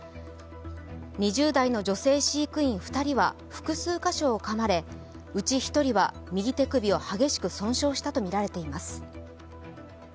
２０代の女性飼育員２人は複数箇所をかまれうち１人は、右手首を激しく損傷したとみられています。